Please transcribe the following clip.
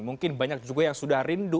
mungkin banyak juga yang sudah rindu